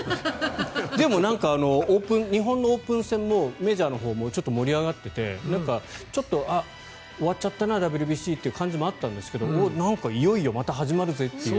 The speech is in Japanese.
でも、日本のオープン戦もメジャーのほうも盛り上がっててちょっと、あっ終わっちゃったなＷＢＣという感じもあったんですがなんかいよいよまた始まるぜっていう。